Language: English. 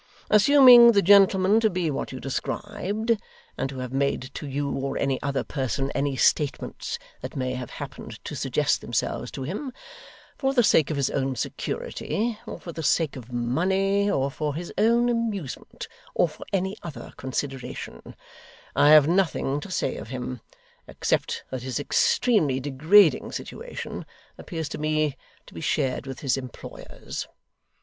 Assuming the gentleman to be what you described, and to have made to you or any other person any statements that may have happened to suggest themselves to him, for the sake of his own security, or for the sake of money, or for his own amusement, or for any other consideration, I have nothing to say of him, except that his extremely degrading situation appears to me to be shared with his employers.